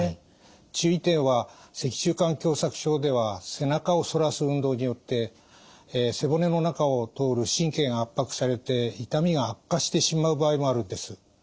注意点は脊柱管狭さく症では背中を反らす運動によって背骨の中を通る神経が圧迫されて痛みが悪化してしまう場合もあるんです。